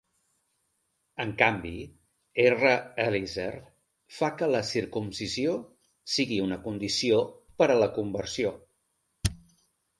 En canvi, R. Eliezer fa que la circumcisió sigui una condició per a la conversió.